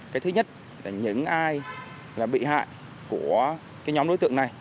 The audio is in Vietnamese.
cái thứ nhất là những ai là bị hại của cái nhóm đối tượng này